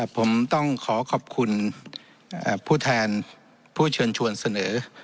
ผมต้องขอขอบคุณผู้แทนผู้เชิญชวนเสนอ